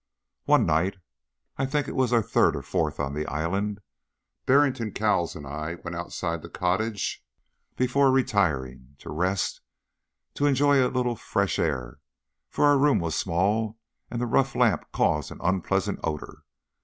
One night I think it was our third or fourth on the island Barrington Cowles and I went outside the cottage before retiring to rest, to enjoy a little fresh air, for our room was small, and the rough lamp caused an unpleasant odour.